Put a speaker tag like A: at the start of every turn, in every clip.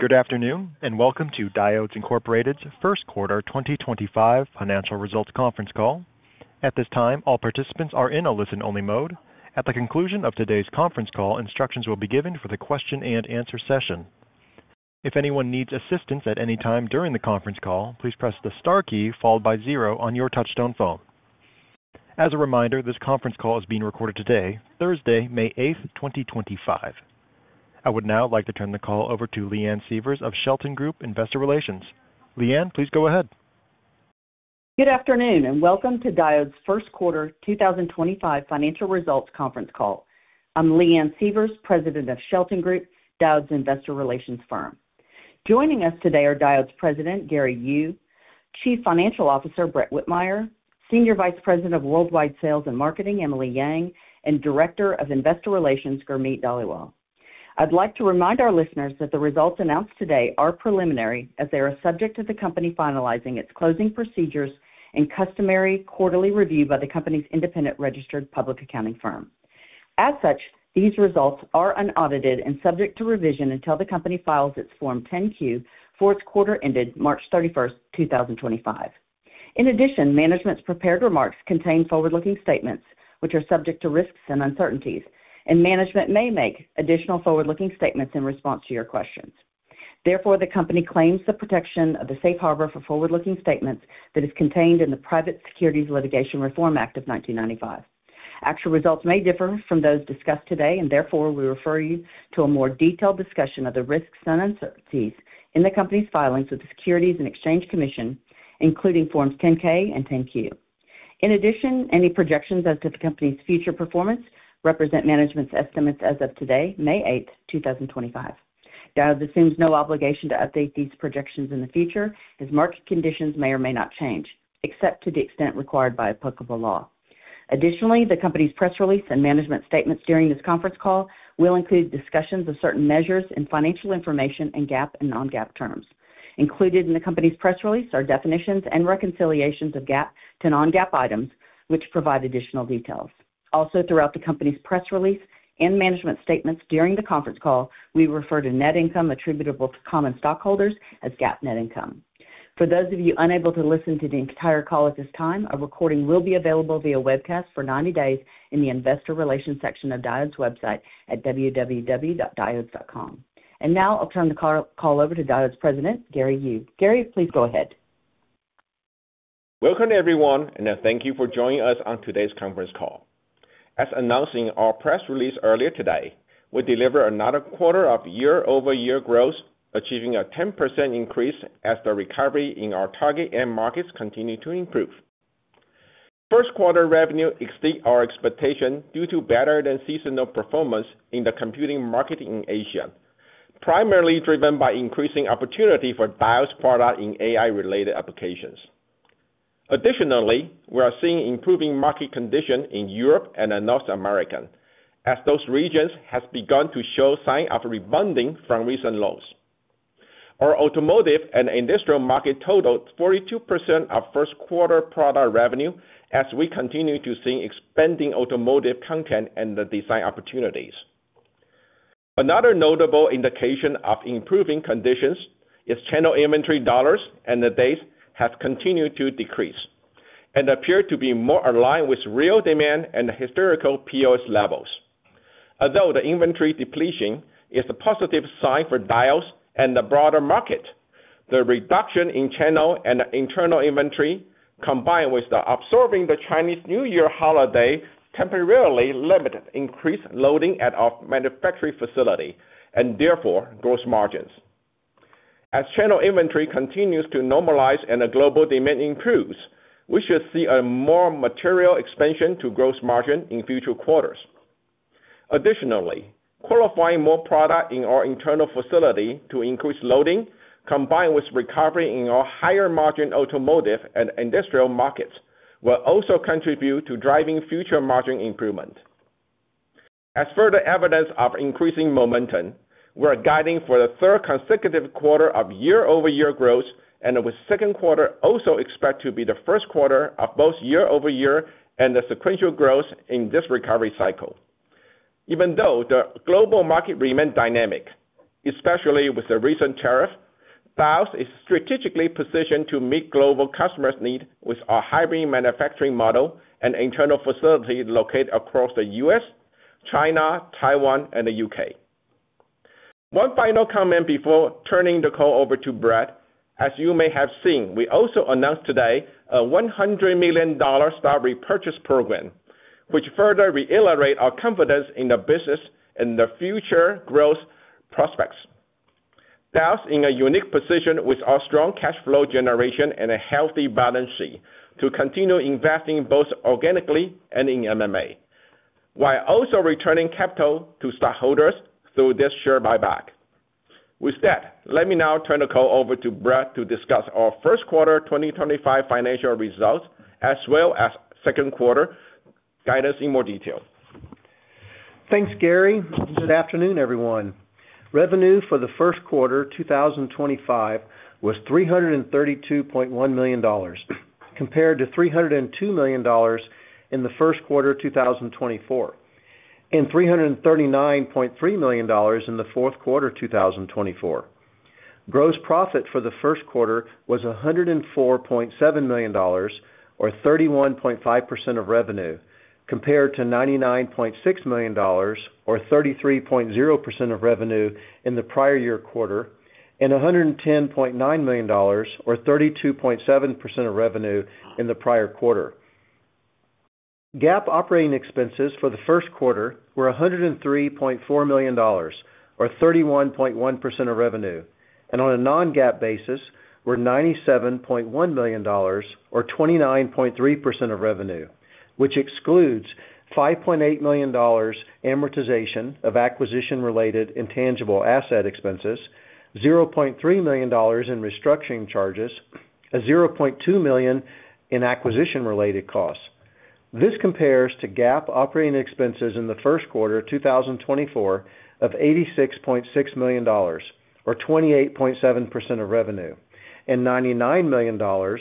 A: Good afternoon, and welcome to Diodes Incorporated's first quarter 2025 financial results conference call. At this time, all participants are in a listen-only mode. At the conclusion of today's conference call, instructions will be given for the question-and-answer session. If anyone needs assistance at any time during the conference call, please press the star key followed by zero on your touch-tone phone. As a reminder, this conference call is being recorded today, Thursday, May 8, 2025. I would now like to turn the call over to Leanne Sievers of Shelton Group Investor Relations. Leanne, please go ahead.
B: Good afternoon, and welcome to Diodes' first quarter 2025 financial results conference call. I'm Leanne Sievers, President of Shelton Group, Diodes Investor Relations firm. Joining us today are Diodes President, Gary Yu, Chief Financial Officer, Brett Whitmire, Senior Vice President of Worldwide Sales and Marketing, Emily Yang, and Director of Investor Relations, Gurmeet Dhaliwal. I'd like to remind our listeners that the results announced today are preliminary, as they are subject to the company finalizing its closing procedures and customary quarterly review by the company's independent registered public accounting firm. As such, these results are unaudited and subject to revision until the company files its Form 10-Q for its quarter ended March 31, 2025. In addition, management's prepared remarks contain forward-looking statements, which are subject to risks and uncertainties, and management may make additional forward-looking statements in response to your questions. Therefore, the company claims the protection of the safe harbor for forward-looking statements that is contained in the Private Securities Litigation Reform Act of 1995. Actual results may differ from those discussed today, and therefore we refer you to a more detailed discussion of the risks and uncertainties in the company's filings with the Securities and Exchange Commission, including Forms 10-K and 10-Q. In addition, any projections as to the company's future performance represent management's estimates as of today, May 8th, 2025. Diodes assumes no obligation to update these projections in the future, as market conditions may or may not change, except to the extent required by applicable law. Additionally, the company's press release and management statements during this conference call will include discussions of certain measures and financial information in GAAP and non-GAAP terms. Included in the company's press release are definitions and reconciliations of GAAP to non-GAAP items, which provide additional details. Also, throughout the company's press release and management statements during the conference call, we refer to net income attributable to common stockholders as GAAP net income. For those of you unable to listen to the entire call at this time, a recording will be available via webcast for 90 days in the investor relations section of Diodes' website at www.diodes.com. Now I'll turn the call over to Diodes President, Gary Yu. Gary, please go ahead.
C: Welcome, everyone, and thank you for joining us on today's conference call. As announced in our press release earlier today, we deliver another quarter of year-over-year growth, achieving a 10% increase as the recovery in our target end markets continues to improve. First quarter revenue exceeded our expectations due to better-than-seasonal performance in the computing market in Asia, primarily driven by increasing opportunity for Diodes' product in AI-related applications. Additionally, we are seeing improving market conditions in Europe and North America, as those regions have begun to show signs of rebounding from recent lows. Our automotive and industrial market totaled 42% of first quarter product revenue, as we continue to see expanding automotive content and the design opportunities. Another notable indication of improving conditions is channel inventory dollars and the days have continued to decrease and appear to be more aligned with real demand and historical POS levels. Although the inventory depletion is a positive sign for Diodes and the broader market, the reduction in channel and internal inventory, combined with absorbing the Chinese New Year holiday, temporarily limited increased loading at our manufacturing facility and therefore gross margins. As channel inventory continues to normalize and the global demand improves, we should see a more material expansion to gross margin in future quarters. Additionally, qualifying more product in our internal facility to increase loading, combined with recovery in our higher-margin automotive and industrial markets, will also contribute to driving future margin improvement. As further evidence of increasing momentum, we are guiding for the third consecutive quarter of year-over-year growth, and with second quarter also expected to be the first quarter of both year-over-year and the sequential growth in this recovery cycle. Even though the global market remains dynamic, especially with the recent tariff, Diodes is strategically positioned to meet global customers' needs with our hybrid manufacturing model and internal facility located across the U.S., China, Taiwan, and the U.K. One final comment before turning the call over to Brett, as you may have seen, we also announced today a $100 million stock repurchase program, which further reiterates our confidence in the business and the future growth prospects. Diodes is in a unique position with our strong cash flow generation and a healthy balance sheet to continue investing both organically and in M&A, while also returning capital to stockholders through this share buyback. With that, let me now turn the call over to Brett to discuss our first quarter 2025 financial results, as well as second quarter guidance in more detail.
D: Thanks, Gary. Good afternoon, everyone. Revenue for the first quarter 2025 was $332.1 million, compared to $302 million in the first quarter 2024 and $339.3 million in the fourth quarter 2024. Gross profit for the first quarter was $104.7 million, or 31.5% of revenue, compared to $99.6 million, or 33.0% of revenue in the prior year quarter, and $110.9 million, or 32.7% of revenue in the prior quarter. GAAP operating expenses for the first quarter were $103.4 million, or 31.1% of revenue, and on a non-GAAP basis, were $97.1 million, or 29.3% of revenue, which excludes $5.8 million amortization of acquisition-related intangible asset expenses, $0.3 million in restructuring charges, and $0.2 million in acquisition-related costs. This compares to GAAP operating expenses in the first quarter 2024 of $86.6 million, or 28.7% of revenue, and $99 million, or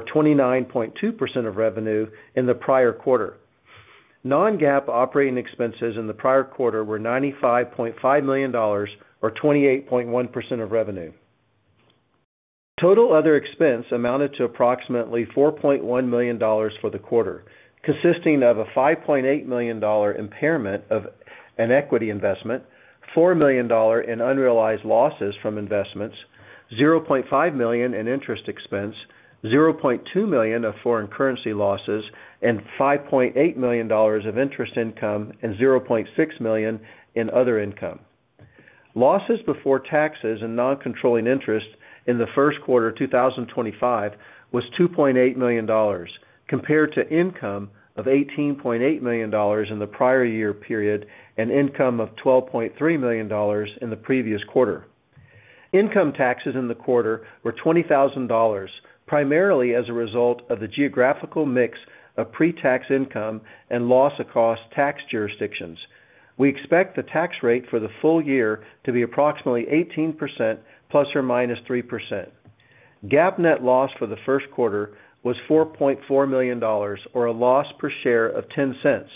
D: 29.2% of revenue, in the prior quarter. Non-GAAP operating expenses in the prior quarter were $95.5 million, or 28.1% of revenue. Total other expense amounted to approximately $4.1 million for the quarter, consisting of a $5.8 million impairment of an equity investment, $4 million in unrealized losses from investments, $0.5 million in interest expense, $0.2 million of foreign currency losses, and $5.8 million of interest income, and $0.6 million in other income. Losses before taxes and non-controlling interest in the first quarter 2025 was $2.8 million, compared to income of $18.8 million in the prior year period and income of $12.3 million in the previous quarter. Income taxes in the quarter were $20,000, primarily as a result of the geographical mix of pre-tax income and loss across tax jurisdictions. We expect the tax rate for the full year to be approximately 18% ±3%. GAAP net loss for the first quarter was $4.4 million, or a loss per share of $0.10,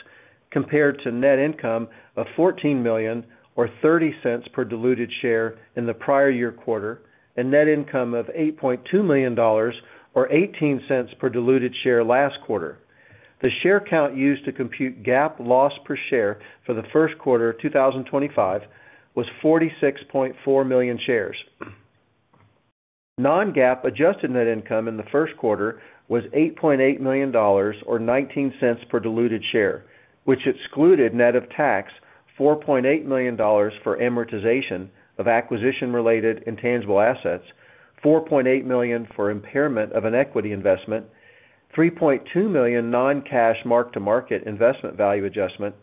D: compared to net income of $14 million, or $0.30 per diluted share in the prior year quarter, and net income of $8.2 million, or $0.18 per diluted share last quarter. The share count used to compute GAAP loss per share for the first quarter 2025 was 46.4 million shares. Non-GAAP adjusted net income in the first quarter was $8.8 million, or $0.19 per diluted share, which excluded net of tax $4.8 million for amortization of acquisition-related intangible assets, $4.8 million for impairment of an equity investment, $3.2 million non-cash mark-to-market investment value adjustment,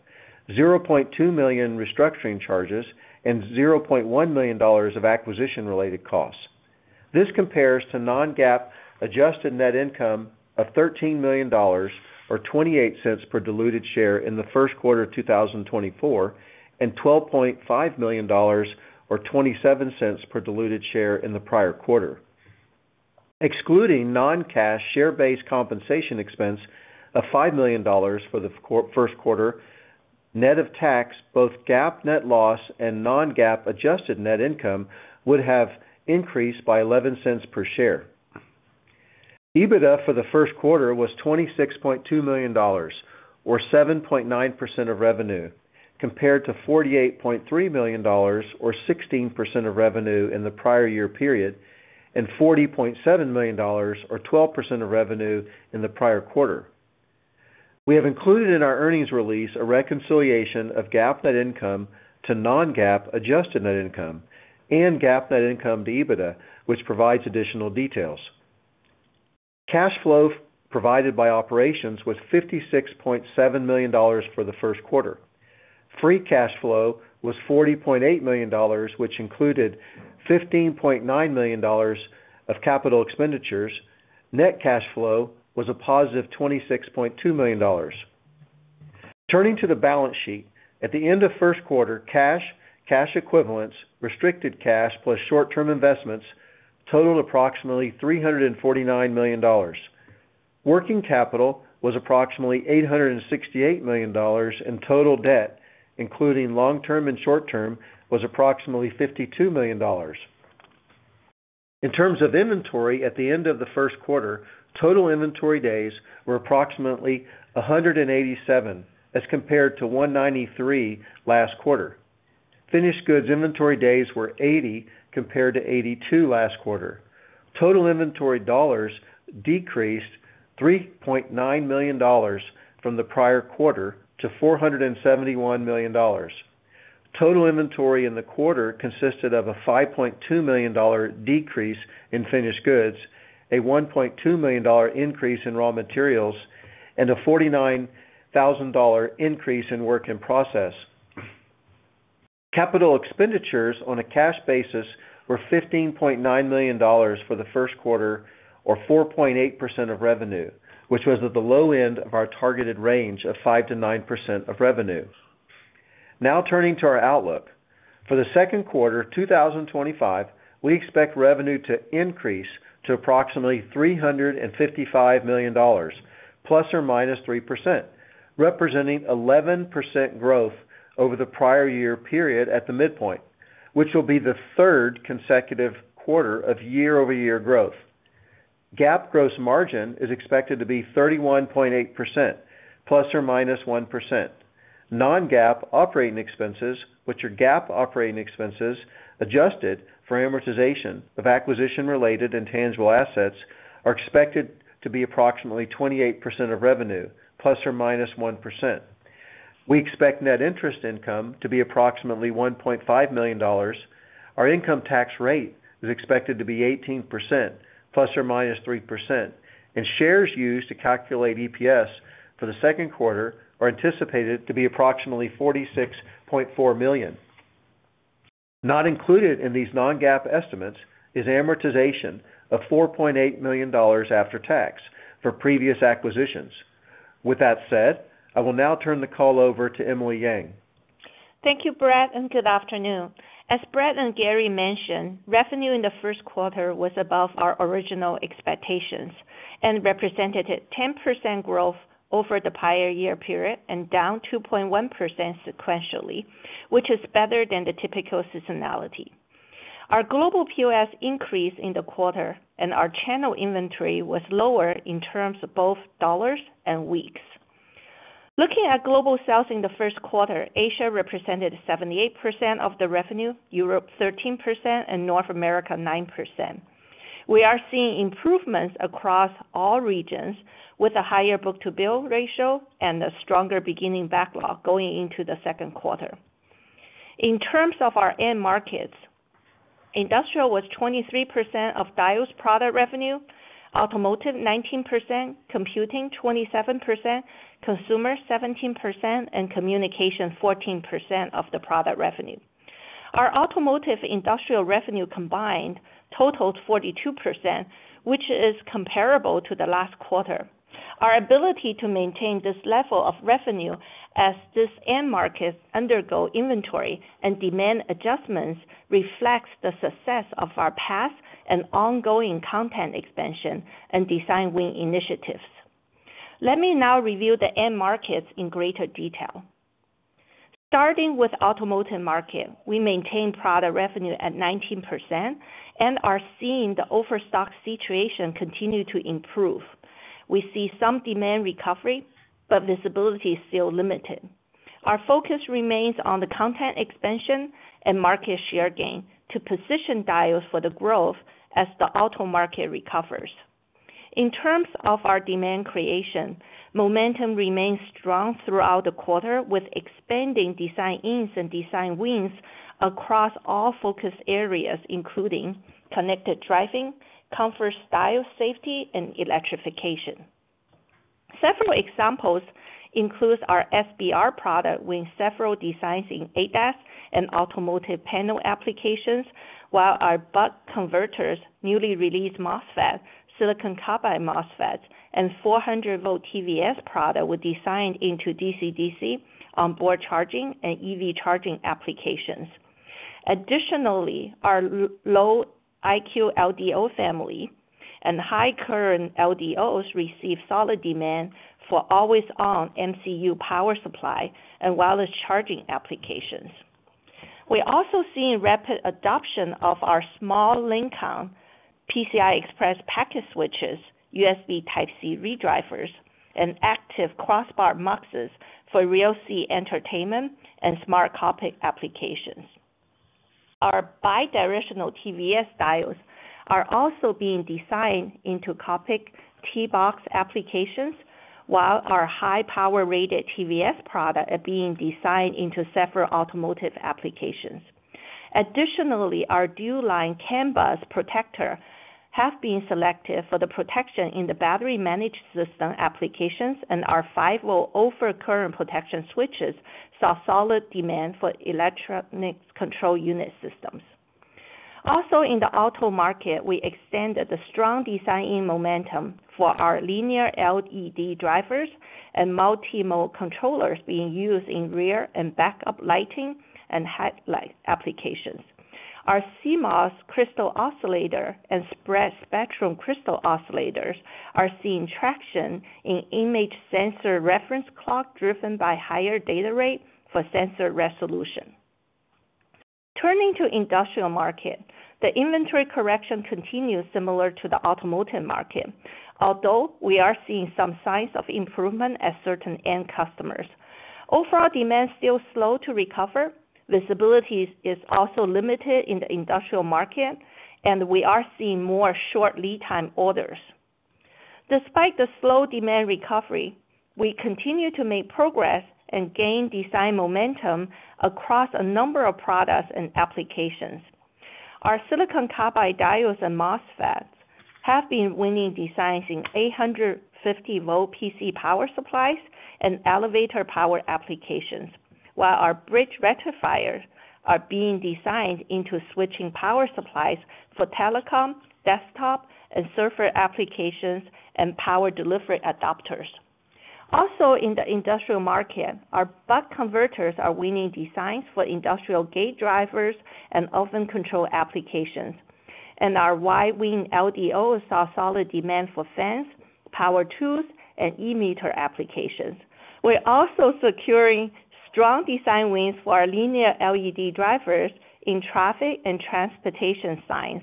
D: $0.2 million restructuring charges, and $0.1 million of acquisition-related costs. This compares to non-GAAP adjusted net income of $13 million, or $0.28 per diluted share in the first quarter 2024, and $12.5 million, or $0.27 per diluted share in the prior quarter. Excluding non-cash share-based compensation expense of $5 million for the first quarter, net of tax, both GAAP net loss and non-GAAP adjusted net income would have increased by $0.11 per share. EBITDA for the first quarter was $26.2 million, or 7.9% of revenue, compared to $48.3 million, or 16% of revenue in the prior year period, and $40.7 million, or 12% of revenue in the prior quarter. We have included in our earnings release a reconciliation of GAAP net income to non-GAAP adjusted net income and GAAP net income to EBITDA, which provides additional details. Cash flow provided by operations was $56.7 million for the first quarter. Free cash flow was $40.8 million, which included $15.9 million of capital expenditures. Net cash flow was a +$26.2 million. Turning to the balance sheet, at the end of first quarter, cash, cash equivalents, restricted cash, plus short-term investments totaled approximately $349 million. Working capital was approximately $868 million, and total debt, including long-term and short-term, was approximately $52 million. In terms of inventory, at the end of the first quarter, total inventory days were approximately 187, as compared to 193 last quarter. Finished goods inventory days were 80, compared to 82 last quarter. Total inventory dollars decreased $3.9 million from the prior quarter to $471 million. Total inventory in the quarter consisted of a $5.2 million decrease in finished goods, a $1.2 million increase in raw materials, and a $49,000 increase in work in process. Capital expenditures on a cash basis were $15.9 million for the first quarter, or 4.8% of revenue, which was at the low end of our targeted range of 5%-9% of revenue. Now turning to our outlook, for the second quarter 2025, we expect revenue to increase to approximately $355 million, ±3%, representing 11% growth over the prior year period at the midpoint, which will be the third consecutive quarter of year-over-year growth. GAAP gross margin is expected to be 31.8%, ±1%. Non-GAAP operating expenses, which are GAAP operating expenses adjusted for amortization of acquisition-related intangible assets, are expected to be approximately 28% of revenue, ±1%. We expect net interest income to be approximately $1.5 million. Our income tax rate is expected to be 18%, ±3%, and shares used to calculate EPS for the second quarter are anticipated to be approximately 46.4 million. Not included in these non-GAAP estimates is amortization of $4.8 million after tax for previous acquisitions. With that said, I will now turn the call over to Emily Yang.
E: Thank you, Brett, and good afternoon. As Brett and Gary mentioned, revenue in the first quarter was above our original expectations and represented a 10% growth over the prior year period and down 2.1% sequentially, which is better than the typical seasonality. Our global POS increased in the quarter, and our channel inventory was lower in terms of both dollars and weeks. Looking at global sales in the first quarter, Asia represented 78% of the revenue, Europe 13%, and North America 9%. We are seeing improvements across all regions with a higher book-to-bill ratio and a stronger beginning backlog going into the second quarter. In terms of our end markets, industrial was 23% of Diodes' product revenue, automotive 19%, computing 27%, consumer 17%, and communication 14% of the product revenue. Our automotive industrial revenue combined totaled 42%, which is comparable to the last quarter. Our ability to maintain this level of revenue as these end markets undergo inventory and demand adjustments reflects the success of our past and ongoing content expansion and design win initiatives. Let me now review the end markets in greater detail. Starting with the automotive market, we maintain product revenue at 19% and are seeing the overstock situation continue to improve. We see some demand recovery, but visibility is still limited. Our focus remains on the content expansion and market share gain to position Diodes for the growth as the auto market recovers. In terms of our demand creation, momentum remains strong throughout the quarter with expanding design ins and design wins across all focus areas, including connected driving, comfort style, safety, and electrification. Several examples include our SBR product with several designs in ADAS and automotive panel applications, while our Buck converters, newly released MOSFETs, silicon carbide MOSFETs, and 400 V TVS product were designed into DCDC onboard charging and EV charging applications. Additionally, our low IQ LDO family and high current LDOs receive solid demand for always-on MCU power supply and wireless charging applications. We're also seeing rapid adoption of our small Lincoln PCI Express packet switches, USB Type-C redrivers, and active crossbar MUXs for rear-seat entertainment and smart cockpit applications. Our bi-directional TVS Diodes are also being designed into cockpit T-box applications, while our high-power rated TVS product is being designed into several automotive applications. Additionally, our Dualine CAN bus protectors have been selected for the protection in the battery management system applications, and our 5 V overcurrent protection switches saw solid demand for electronic control unit systems. Also, in the auto market, we extended the strong design in momentum for our linear LED drivers and multimode controllers being used in rear and backup lighting and headlight applications. Our CMOS crystal oscillator and spread spectrum crystal oscillators are seeing traction in image sensor reference clock driven by higher data rate for sensor resolution. Turning to the industrial market, the inventory correction continues similar to the automotive market, although we are seeing some signs of improvement at certain end customers. Overall, demand is still slow to recover. Visibility is also limited in the industrial market, and we are seeing more short lead time orders. Despite the slow demand recovery, we continue to make progress and gain design momentum across a number of products and applications. Our silicon carbide Diodes and MOSFETs have been winning designs in 850 V PC power supplies and elevator power applications, while our bridge rectifiers are being designed into switching power supplies for telecom, desktop, and server applications and power delivery adapters. Also, in the industrial market, our Buck converters are winning designs for industrial gate drivers and oven control applications, and our Y-Wing LDOs saw solid demand for fans, power tools, and e-meter applications. We're also securing strong design wins for our linear LED drivers in traffic and transportation signs.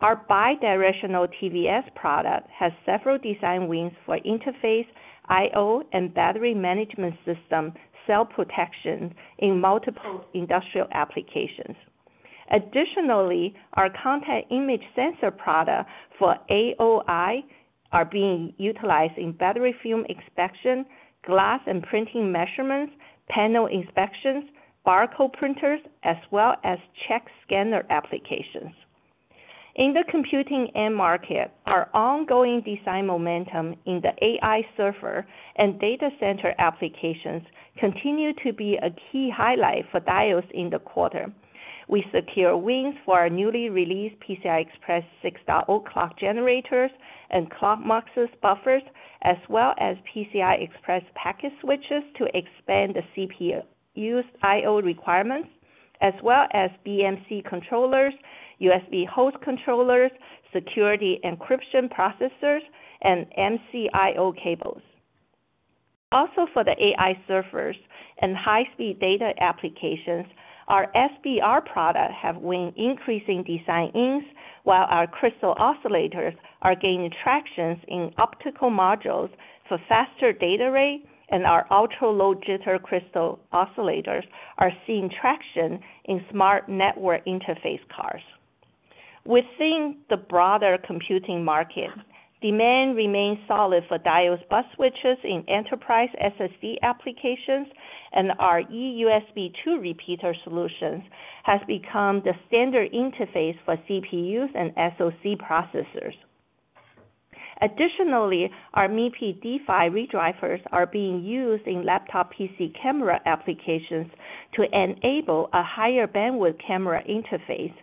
E: Our bi-directional TVS product has several design wins for interface, I/O, and battery management system cell protection in multiple industrial applications. Additionally, our contact image sensor product for AOI is being utilized in battery film inspection, glass and printing measurements, panel inspections, barcode printers, as well as check scanner applications. In the computing end market, our ongoing design momentum in the AI server and data center applications continues to be a key highlight for Diodes in the quarter. We secure wins for our newly released PCI Express 6.0 clock generators and clock MUX buffers, as well as PCI Express packet switches to expand the CPU use I/O requirements, as well as BMC controllers, USB host controllers, security encryption processors, and MCIO cables. Also, for the AI servers and high-speed data applications, our SBR product has won increasing design ins while our crystal oscillators are gaining traction in optical modules for faster data rate, and our ultra-low jitter crystal oscillators are seeing traction in smart network interface cards. Within the broader computing market, demand remains solid for Diodes bus switches in enterprise SSD applications, and our eUSB 2 repeater solutions have become the standard interface for CPUs and SoC processors. Additionally, our MEP D5 redrivers are being used in laptop PC camera applications to enable a higher bandwidth camera interface,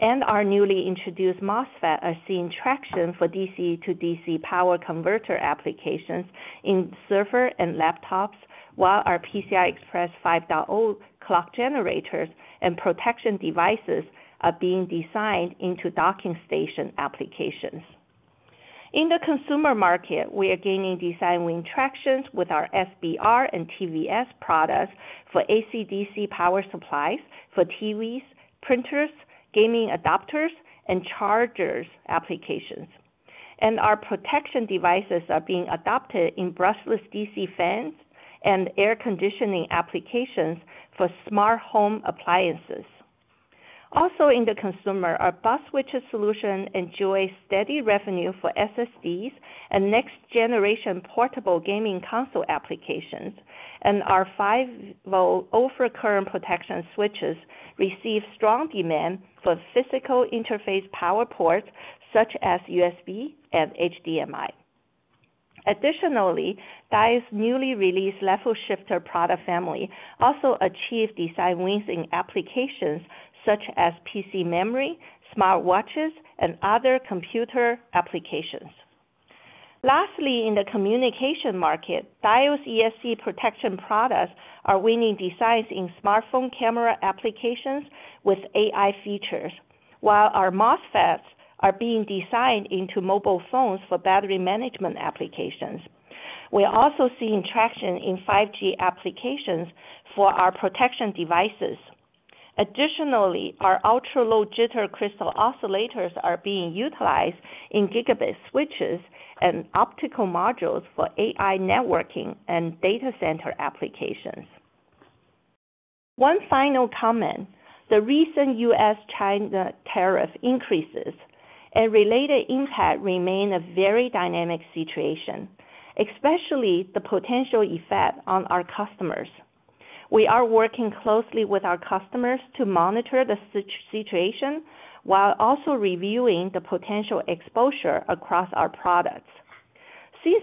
E: and our newly introduced MOSFETs are seeing traction for DC-DC power converter applications in server and laptops, while our PCI Express 5.0 clock generators and protection devices are being designed into docking station applications. In the consumer market, we are gaining design win traction with our SBR and TVS products for ACDC power supplies for TVs, printers, gaming adapters, and chargers applications, and our protection devices are being adopted in brushless DC fans and air conditioning applications for smart home appliances. Also, in the consumer, our bus switcher solution enjoys steady revenue for SSDs and next-generation portable gaming console applications, and our 5 V overcurrent protection switches receive strong demand for physical interface power ports such as USB and HDMI. Additionally, Diodes' newly released level shifter product family also achieved design wins in applications such as PC memory, smart watches, and other computer applications. Lastly, in the communication market, Diodes' ESC protection products are winning designs in smartphone camera applications with AI features, while our MOSFETs are being designed into mobile phones for battery management applications. We're also seeing traction in 5G applications for our protection devices. Additionally, our ultra-low jitter crystal oscillators are being utilized in gigabit switches and optical modules for AI networking and data center applications. One final comment: the recent U.S.-China tariff increases and related impact remain a very dynamic situation, especially the potential effect on our customers. We are working closely with our customers to monitor the situation while also reviewing the potential exposure across our products.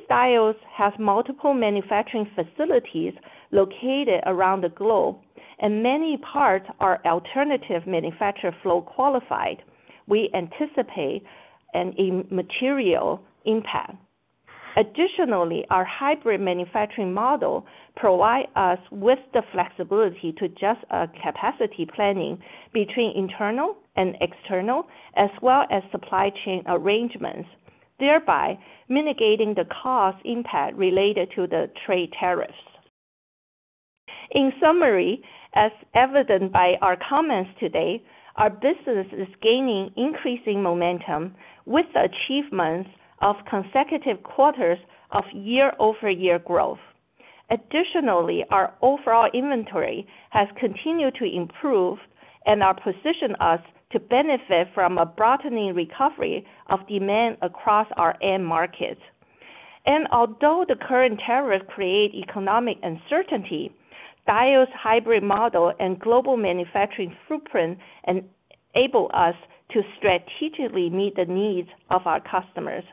E: Diodes has multiple manufacturing facilities located around the globe, and many parts are alternative manufacturer flow qualified. We anticipate an immaterial impact. Additionally, our hybrid manufacturing model provides us with the flexibility to adjust our capacity planning between internal and external, as well as supply chain arrangements, thereby mitigating the cost impact related to the trade tariffs. In summary, as evident by our comments today, our business is gaining increasing momentum with the achievements of consecutive quarters of year-over-year growth. Additionally, our overall inventory has continued to improve and our position us to benefit from a broadening recovery of demand across our end markets. Although the current tariffs create economic uncertainty, Diodes' hybrid model and global manufacturing footprint enable us to strategically meet the needs of our customers.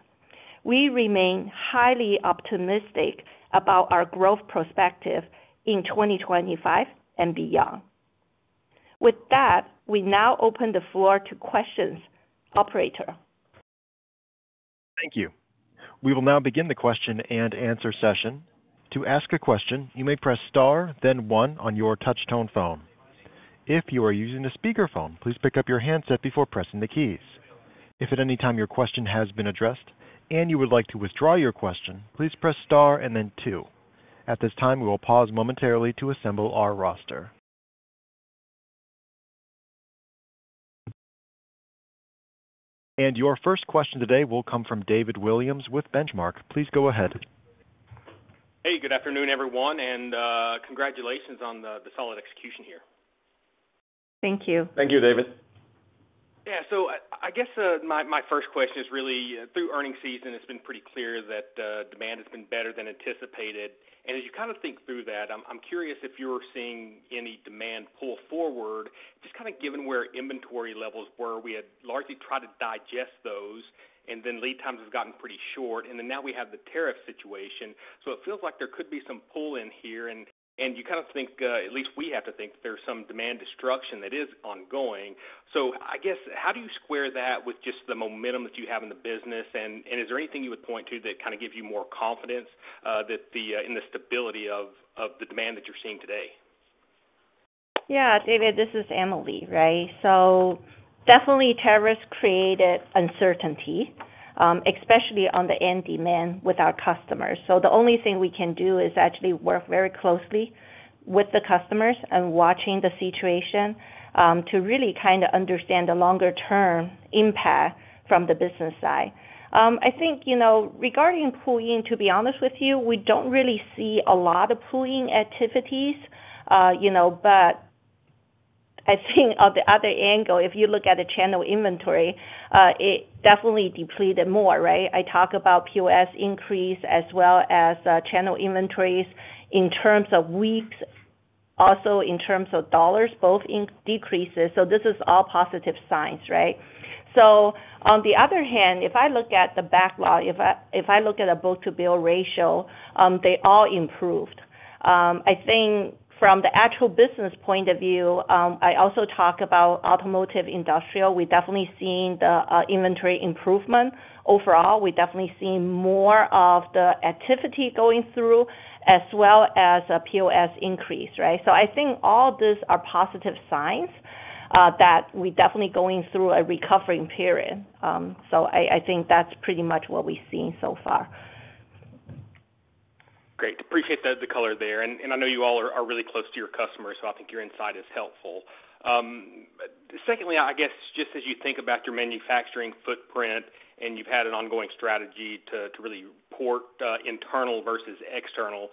E: We remain highly optimistic about our growth prospective in 2025 and beyond. With that, we now open the floor to questions, operator.
A: Thank you. We will now begin the question and answer session. To ask a question, you may press star, then one on your touch-tone phone. If you are using a speakerphone, please pick up your handset before pressing the keys. If at any time your question has been addressed and you would like to withdraw your question, please press star and then two. At this time, we will pause momentarily to assemble our roster. Your first question today will come from David Williams with Benchmark. Please go ahead.
F: Hey, good afternoon, everyone, and congratulations on the solid execution here. Thank you. Thank you, David. Yeah, I guess my first question is really through earning season, it's been pretty clear that demand has been better than anticipated. As you kind of think through that, I'm curious if you're seeing any demand pull forward, just kind of given where inventory levels were. We had largely tried to digest those, and then lead times have gotten pretty short, and now we have the tariff situation. It feels like there could be some pull in here, and you kind of think, at least we have to think, there's some demand destruction that is ongoing. I guess, how do you square that with just the momentum that you have in the business, and is there anything you would point to that gives you more confidence in the stability of the demand that you're seeing today?
E: Yeah, David, this is Emily, right? Definitely tariffs created uncertainty, especially on the end demand with our customers. The only thing we can do is actually work very closely with the customers and watch the situation to really kind of understand the longer-term impact from the business side. I think regarding pooling, to be honest with you, we don't really see a lot of pooling activities, but I think on the other angle, if you look at the channel inventory, it definitely depleted more, right? I talk about POS increase as well as channel inventories in terms of weeks, also in terms of dollars, both decreases. This is all positive signs, right? On the other hand, if I look at the backlog, if I look at a book-to-bill ratio, they all improved. I think from the actual business point of view, I also talk about automotive industrial, we're definitely seeing the inventory improvement. Overall, we're definitely seeing more of the activity going through as well as a POS increase, right? I think all these are positive signs that we're definitely going through a recovery period. I think that's pretty much what we've seen so far.
F: Great. Appreciate the color there. I know you all are really close to your customers, so I think your insight is helpful. Secondly, I guess just as you think about your manufacturing footprint and you've had an ongoing strategy to really port internal versus external,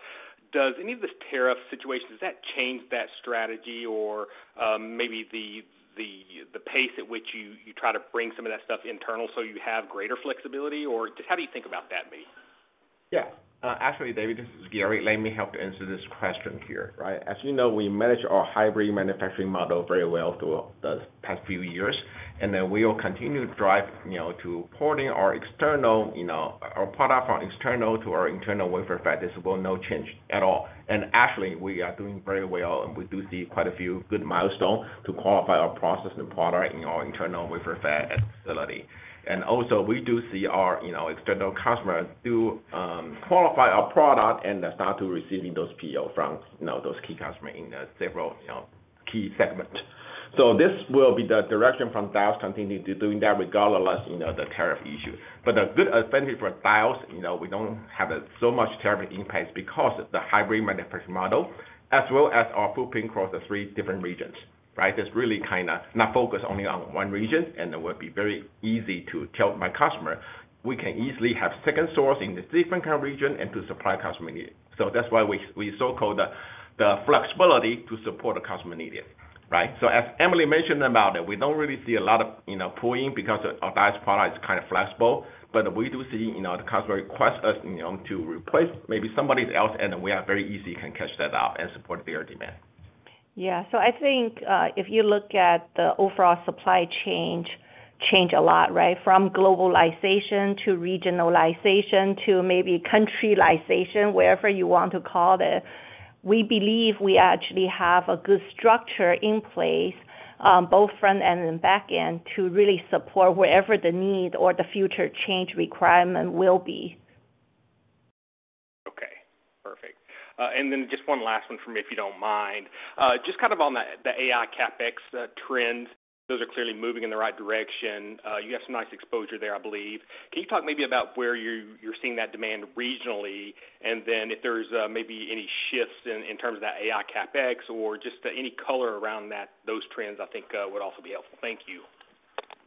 F: does any of this tariff situation, does that change that strategy or maybe the pace at which you try to bring some of that stuff internal so you have greater flexibility? How do you think about that, maybe?
C: Yeah. Actually, David, this is Gary. Let me help to answer this question here, right? As you know, we managed our hybrid manufacturing model very well through the past few years, and then we will continue to drive to porting our product from external to our internal wafer factory is no change at all. Actually, we are doing very well, and we do see quite a few good milestones to qualify our process and product in our internal wafer facility. We also see our external customers qualify our product and start to receive those POs from those key customers in several key segments. This will be the direction from Diodes, continuing to do that regardless of the tariff issue. The good advantage for Diodes is we do not have so much tariff impact because of the hybrid manufacturing model as well as our footprint across the three different regions, right? It is really kind of not focused only on one region, and it will be very easy to tell my customer we can easily have a second source in a different kind of region to supply customer needs. That is why we so-called the flexibility to support the customer needed, right? As Emily mentioned about it, we do not really see a lot of pooling because our Diodes product is kind of flexible, but we do see the customer requests us to replace maybe somebody else, and we are very easy to catch that up and support their demand. Yeah. I think if you look at the overall supply chain, change a lot, right, from globalization to regionalization to maybe countryization, wherever you want to call it, we believe we actually have a good structure in place, both front and back end, to really support wherever the need or the future change requirement will be.
F: Okay. Perfect. And then just one last one for me, if you do not mind. Just kind of on the AI CapEx trend, those are clearly moving in the right direction. You have some nice exposure there, I believe. Can you talk maybe about where you're seeing that demand regionally, and then if there's maybe any shifts in terms of that AI CapEx or just any color around those trends, I think would also be helpful.
E: Thank you.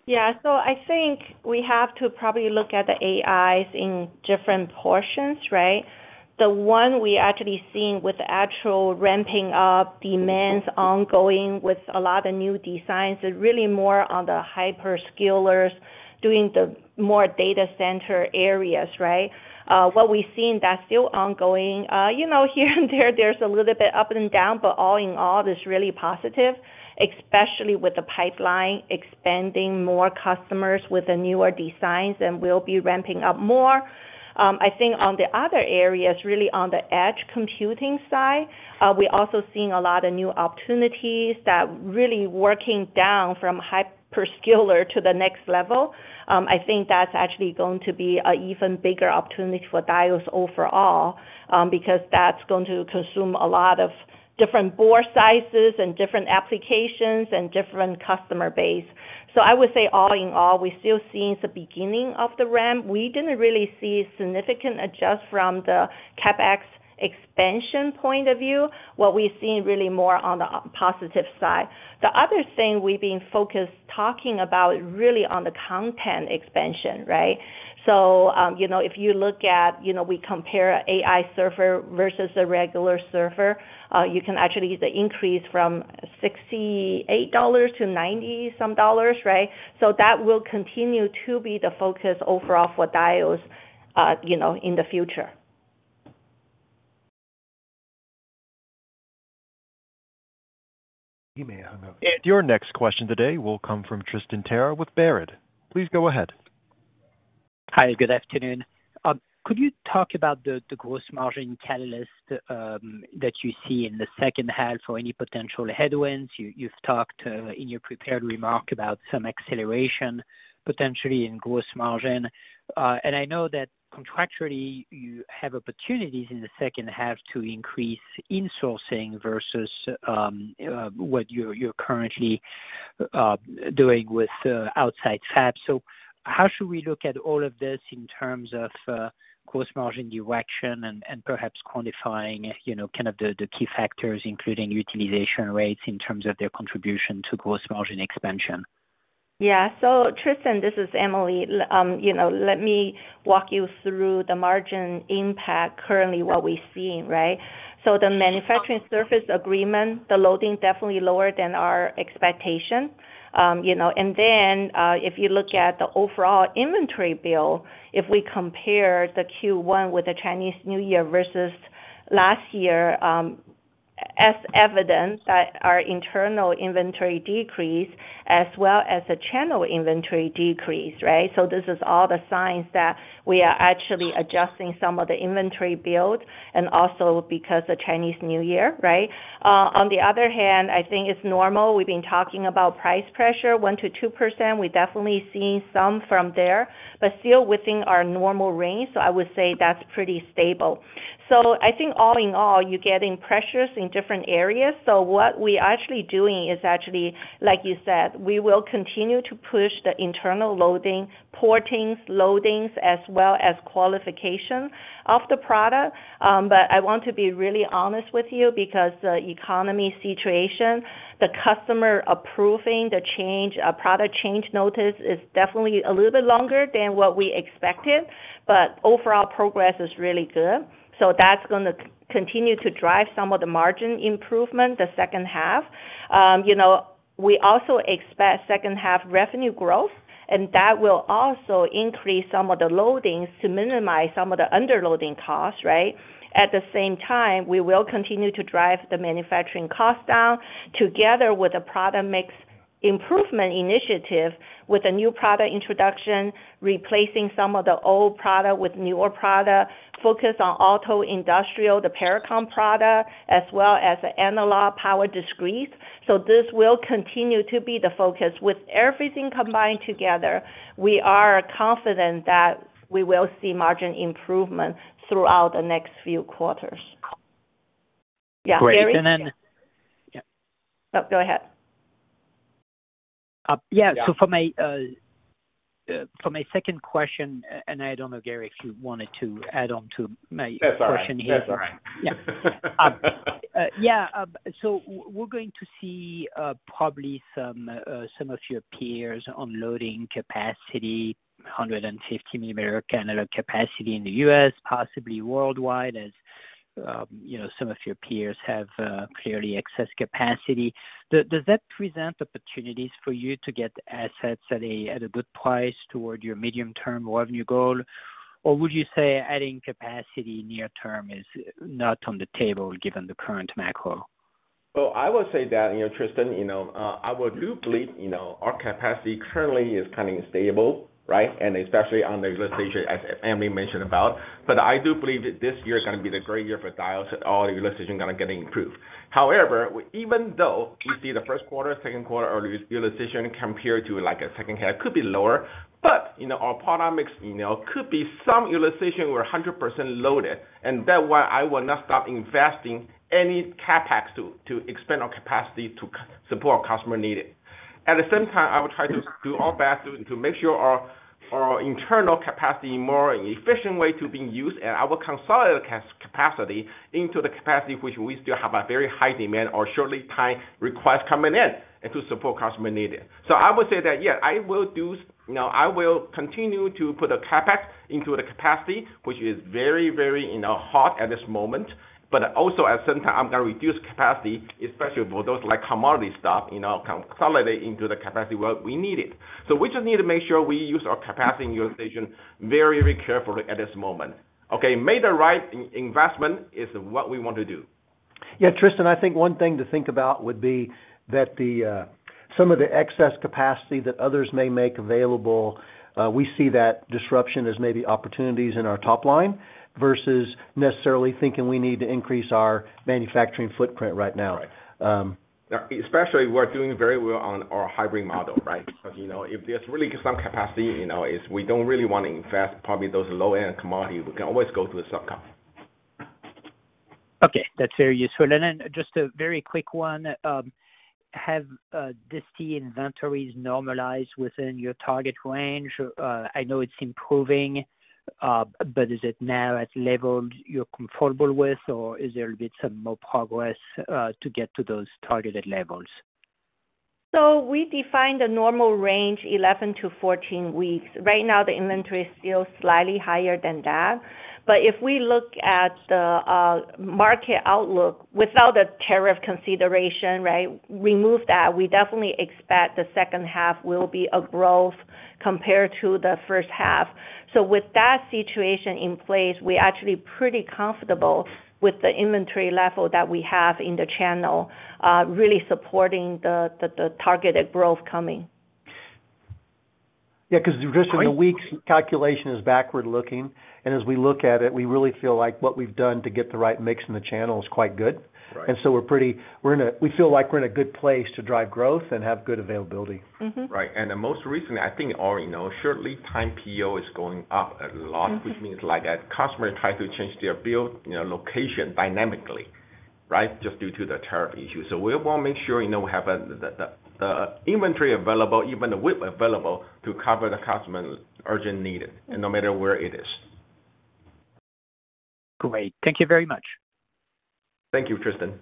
E: Yeah. I think we have to probably look at the AIs in different portions, right? The one we're actually seeing with the actual ramping up demands ongoing with a lot of new designs is really more on the hyperscalers doing the more data center areas, right? What we've seen that's still ongoing. Here and there, there's a little bit up and down, but all in all, it's really positive, especially with the pipeline expanding more customers with the newer designs and will be ramping up more. I think on the other areas, really on the edge computing side, we're also seeing a lot of new opportunities that really working down from hyperscaler to the next level. I think that's actually going to be an even bigger opportunity for Diodes overall because that's going to consume a lot of different board sizes and different applications and different customer base. I would say all in all, we're still seeing the beginning of the ramp. We didn't really see significant adjust from the CapEx expansion point of view. What we've seen really more on the positive side. The other thing we've been focused talking about really on the content expansion, right? If you look at we compare AI server versus a regular server, you can actually see the increase from $68 to $90-some dollars, right? That will continue to be the focus overall for Diodes in the future. You may hang up. Your next question today will come from Tristan Gerra with Baird. Please go ahead.
G: Hi, good afternoon. Could you talk about the gross margin catalyst that you see in the second half or any potential headwinds? You have talked in your prepared remark about some acceleration potentially in gross margin. I know that contractually you have opportunities in the second half to increase insourcing versus what you are currently doing with outside fabs. How should we look at all of this in terms of gross margin direction and perhaps quantifying kind of the key factors, including utilization rates in terms of their contribution to gross margin expansion?
E: Yeah. Tristan, this is Emily. Let me walk you through the margin impact currently, what we are seeing, right? The manufacturing surface agreement, the loading definitely lower than our expectation. If you look at the overall inventory build, if we compare the Q1 with the Chinese New Year versus last year, it is evident that our internal inventory decreased as well as the channel inventory decreased, right? These are all the signs that we are actually adjusting some of the inventory build and also because of Chinese New Year, right? On the other hand, I think it is normal. We have been talking about price pressure, 1%-2%. We are definitely seeing some from there, but still within our normal range. I would say that is pretty stable. I think all in all, you are getting pressures in different areas. What we are actually doing is, like you said, we will continue to push the internal loading, portings, loadings, as well as qualification of the product. I want to be really honest with you because the economy situation, the customer approving the product change notice is definitely a little bit longer than what we expected, but overall progress is really good. That is going to continue to drive some of the margin improvement the second half. We also expect second half revenue growth, and that will also increase some of the loadings to minimize some of the underloading costs, right? At the same time, we will continue to drive the manufacturing costs down together with the product mix improvement initiative with the new product introduction, replacing some of the old product with newer product, focus on auto industrial, the Paracom product, as well as the Analog Power Discrete. This will continue to be the focus. With everything combined together, we are confident that we will see margin improvement throughout the next few quarters. Yeah, Gary. Oh, go ahead.
G: Yeah. For my second question, and I do not know, Gary, if you wanted to add on to my question here. That is all right. That is all right. We are going to see probably some of your peers unloading capacity, 150 mm cannon capacity in the US, possibly worldwide, as some of your peers have clearly excess capacity. Does that present opportunities for you to get assets at a good price toward your medium-term revenue goal, or would you say adding capacity near-term is not on the table given the current macro?
C: I would say that, Tristan, I do believe our capacity currently is kind of stable, right? Especially on the realization as Emily mentioned about. I do believe this year is going to be the great year for Diodes at all. The realization is going to get improved. However, even though we see the first quarter, second quarter, or realization compared to a second half could be lower, but our product mix could be some realization we're 100% loaded. That is why I will not stop investing any CapEx to expand our capacity to support our customer needed. At the same time, I will try to do our best to make sure our internal capacity in a more efficient way to be used, and I will consolidate capacity into the capacity which we still have a very high demand or shortly time request coming in to support customer needed. I would say that, yeah, I will continue to put the CapEx into the capacity, which is very, very hot at this moment. Also at the same time, I'm going to reduce capacity, especially for those like commodity stuff, consolidate into the capacity where we need it. We just need to make sure we use our capacity and utilization very, very carefully at this moment. Okay? Made the right investment is what we want to do.
D: Yeah. Tristan, I think one thing to think about would be that some of the excess capacity that others may make available, we see that disruption as maybe opportunities in our top line versus necessarily thinking we need to increase our manufacturing footprint right now. Especially we're doing very well on our hybrid model, right? If there's really some capacity, we don't really want to invest probably those low-end commodities, we can always go to a subcom.
G: Okay. That's very useful. And then just a very quick one. Have these key inventories normalized within your target range? I know it's improving, but is it now at levels you're comfortable with, or is there a bit more progress to get to those targeted levels?
E: We define the normal range as 11-14 weeks. Right now, the inventory is still slightly higher than that. If we look at the market outlook without the tariff consideration, remove that, we definitely expect the second half will be a growth compared to the first half. With that situation in place, we're actually pretty comfortable with the inventory level that we have in the channel really supporting the targeted growth coming.
D: Yeah. Because just in the weeks calculation, it is backward looking. As we look at it, we really feel like what we've done to get the right mix in the channel is quite good. We feel like we're in a good place to drive growth and have good availability.
C: Right. Most recently, I think you already know, shortly time PO is going up a lot, which means that customers try to change their build location dynamically, right, just due to the tariff issues. We want to make sure we have the inventory available, even the width available to cover the customer's urgent need no matter where it is.
A: Great. Thank you very much. Thank you, Tristan.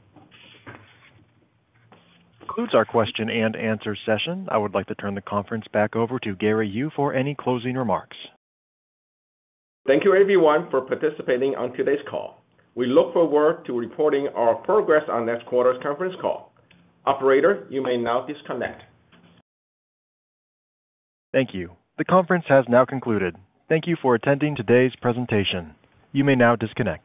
A: Concludes our question and answer session. I would like to turn the conference back over to Gary Yu for any closing remarks.
C: Thank you, everyone, for participating on today's call. We look forward to reporting our progress on next quarter's conference call. Operator, you may now disconnect.
A: Thank you. The conference has now concluded. Thank you for attending today's presentation. You may now disconnect.